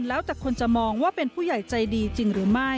แล้วแต่คนจะมองว่าเป็นผู้ใหญ่ใจดีจริงหรือไม่